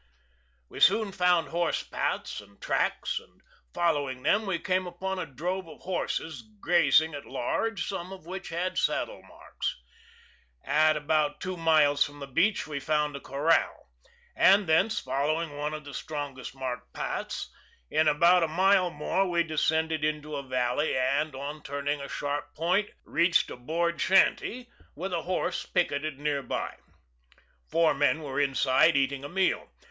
We soon found horse paths and tracks, and following them we came upon a drove of horses grazing at large, some of which had saddle marks. At about two miles from the beach we found a corral; and thence, following one of the strongest marked paths, in about a mile more we descended into a valley, and, on turning a sharp point, reached a board shanty, with a horse picketed near by. Four men were inside eating a meal.